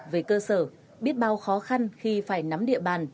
về cơ sở biết bao khó khăn khi phải nắm địa bàn